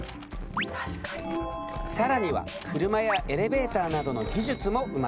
更には車やエレベーターなどの技術も生まれた。